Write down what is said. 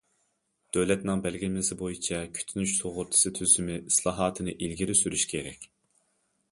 دۆلەتنىڭ بەلگىلىمىسى بويىچە كۈتۈنۈش سۇغۇرتىسى تۈزۈمى ئىسلاھاتىنى ئىلگىرى سۈرۈش كېرەك.